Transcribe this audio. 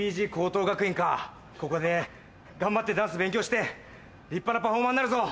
ここで頑張ってダンス勉強して立派なパフォーマーになるぞ！